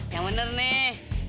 yang bener nih